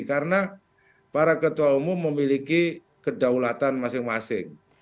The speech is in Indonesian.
karena para ketua umum memiliki kedaulatan masing masing